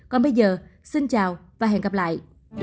còn bây giờ xin chào và hẹn gặp lại